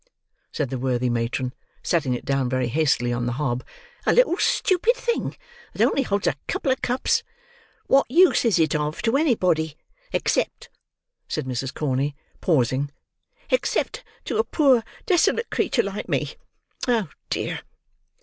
said the worthy matron, setting it down very hastily on the hob; "a little stupid thing, that only holds a couple of cups! What use is it of, to anybody! Except," said Mrs. Corney, pausing, "except to a poor desolate creature like me. Oh dear!"